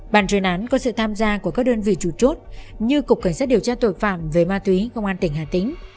ban chuyên án có sự tham gia của các đơn vị trụ trốt như cục cảnh sát điều tra tội phạm về ma túy công an tỉnh hà tĩnh